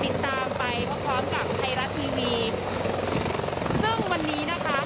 ติดตามไปพร้อมพร้อมกับไทยรัฐทีวีซึ่งวันนี้นะคะ